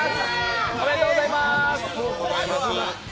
おめでとうございまーす。